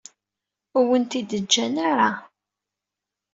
Ur awen-ten-id-ǧǧan ara.